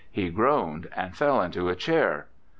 He groaned and fell into a chair.